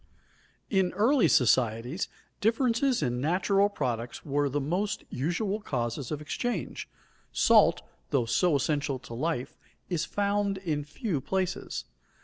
In early societies differences in natural products were the most usual causes of exchange. Salt, though so essential to life, is found in few places.